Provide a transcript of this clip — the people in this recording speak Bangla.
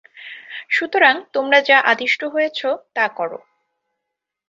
সুতরাং তোমরা যা আদিষ্ট হয়েছ তা কর।